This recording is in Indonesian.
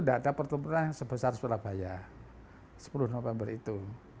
tidak ada pertempuran sebesar surabaya sepuluh november itu